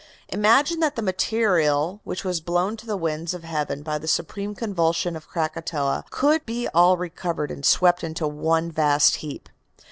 Imagine that the material which was blown to the winds of heaven by the supreme convulsion of Krakatoa could be all recovered and swept into one vast heap.